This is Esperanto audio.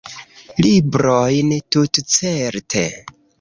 Librojn, tutcerte.